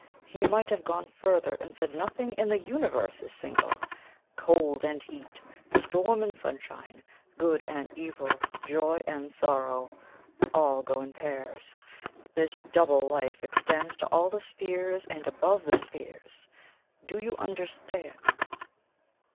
He might have gone further, and said nothing in the universe is single. Cold and heat, storm and sunshine, good and evil, joy and sorrow all go in pairs. This double life extends to all the spheres and above the spheres. Do you understand?"